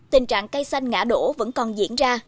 tình trạng cây xanh ngã đổ vẫn còn diễn ra